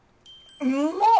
うまっ！